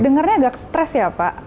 dengarnya agak stres ya pak